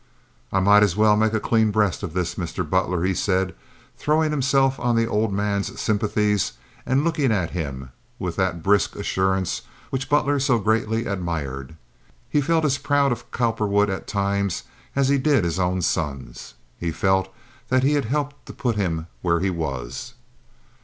"I might as well make a clean breast of this, Mr. Butler," he said, throwing himself on the old man's sympathies and looking at him with that brisk assurance which Butler so greatly admired. He felt as proud of Cowperwood at times as he did of his own sons. He felt that he had helped to put him where he was.